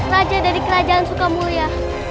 raja dari kerajaan sukamulya